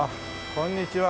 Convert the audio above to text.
こんにちは。